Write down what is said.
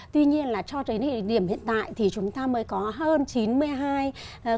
tuy nhiên là cho đến địa điểm hiện tại thì chúng ta mới có hơn chín mươi hai cơ quan đại diện